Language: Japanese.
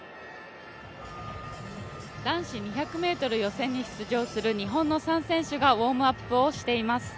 男子２００ｍ予選に出場する日本の３選手がウォームアップをしています。